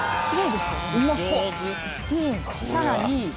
でさらに。